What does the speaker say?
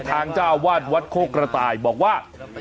เจ้าวาดวัดโคกระต่ายบอกว่า